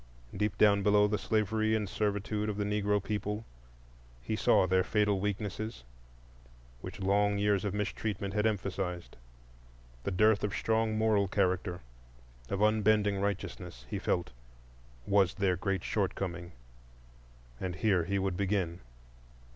Deep down below the slavery and servitude of the Negro people he saw their fatal weaknesses, which long years of mistreatment had emphasized. The dearth of strong moral character, of unbending righteousness, he felt, was their great shortcoming, and here he would begin.